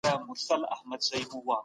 سیاستپوهنه دقیقو شواهدو ته اړتیا لري.